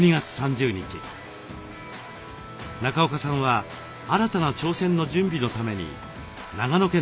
中岡さんは新たな挑戦の準備のために長野県のスキー場に向かっていました。